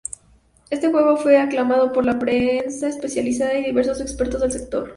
Este juego fue aclamado por la prensa especializada y diversos expertos del sector.